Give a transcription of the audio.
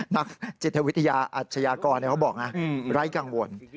นักจิตวิทยาอัชยากรเขาบอกนะไร้กังวล